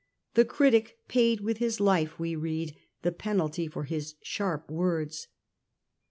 The critic paid with his life we read, the penalty for his sharp words.